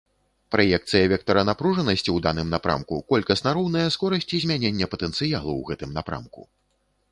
Праекцыя вектара напружанасці у даным напрамку колькасна роўная скорасці змянення патэнцыялу ў гэтым напрамку.